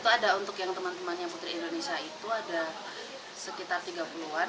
itu ada untuk yang teman temannya putri indonesia itu ada sekitar tiga puluh an